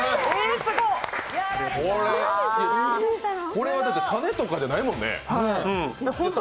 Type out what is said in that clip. これは種とかじゃないもんね。